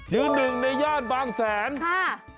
ยืนหนึ่งในย่านบางแสนค่ะ